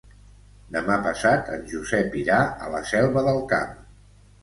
Demà passat en Josep irà a la Selva del Camp.